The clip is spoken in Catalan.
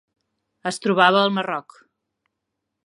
Es trobava al Marroc.